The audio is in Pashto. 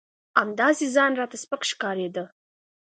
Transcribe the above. همداسې ځان راته سپک ښکارېده.